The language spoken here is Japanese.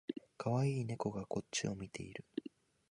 かわいい猫がこっちを見ている